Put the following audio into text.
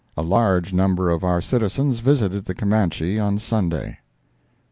A large number of our citizens visited the Camanche on Sunday.